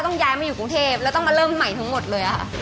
เขาก็เลยกลัวการเคลียร์ซีฟู้ดมากเลย